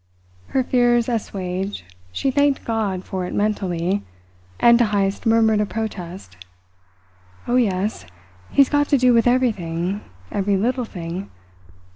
Her fears assuaged, she thanked God for it mentally, and to Heyst murmured a protest: "Oh, yes! He's got to do with everything every little thing.